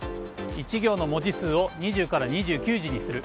１行の文字数を２０から２９字にする。